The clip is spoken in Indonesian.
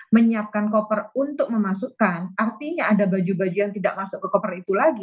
menyiapkan koper untuk memasukkan artinya ada baju baju yang tidak masuk ke koper itu lagi